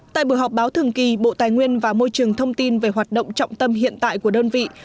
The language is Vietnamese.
tại buổi họp báo thường kỳ bộ tài nguyên và môi trường thông tin về hoạt động trọng tâm hiện tại của đơn vị